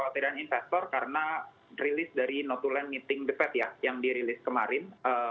kalau tidak investor karena rilis dari notuland meeting the fed ya yang dirilis kemarin